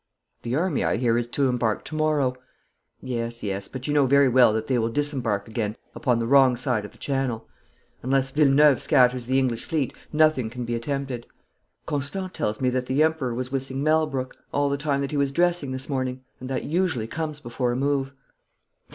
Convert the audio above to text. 'The army, I hear, is to embark to morrow.' 'Yes, yes, but you know very well that they will disembark again upon the wrong side of the Channel. Unless Villeneuve scatters the English fleet, nothing can be attempted.' 'Constant tells me that the Emperor was whistling "Malbrook" all the time that he was dressing this morning, and that usually comes before a move.'